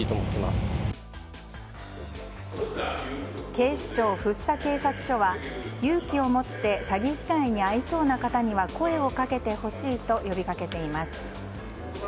警視庁福生警察署は勇気を持って詐欺被害に遭いそうな方には声をかけてほしいと呼び掛けています。